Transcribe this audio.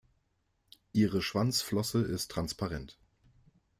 Ihre Schwanzflosse ist transparent.